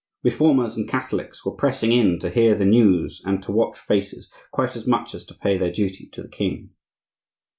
Reformers and Catholics were pressing in to hear the news and to watch faces, quite as much as to pay their duty to the king.